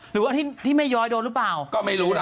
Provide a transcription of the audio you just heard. หรือว่าที่แม่ย้อยโดนหรือเปล่าก็ไม่รู้ล่ะ